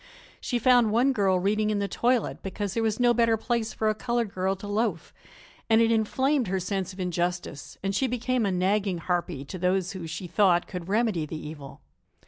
She found one girl reading in the toilet, because there was no better place for a colored girl to loaf, and it inflamed her sense of injustice and she became a nagging harpie to those who, she thought, could remedy the evil.